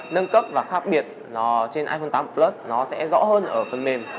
nâng cấp và khác biệt trên iphone tám plus nó sẽ rõ hơn ở phần mềm